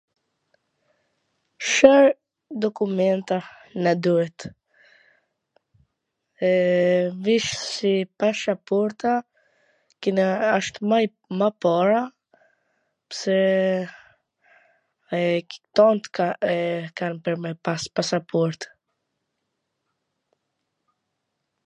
Car dokumenta na duhet? E veC si pashaporta kena asht ma e ma para ... pse t tant kan me pas pasaport.